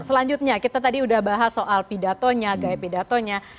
selanjutnya kita tadi sudah bahas soal pidatonya gaya pidatonya